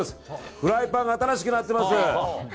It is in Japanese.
フライパンが新しくなっています。